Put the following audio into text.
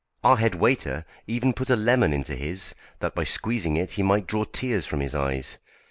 Our head waiter even put a lemon into his, that by squeezing it he might draw tears from his eyes.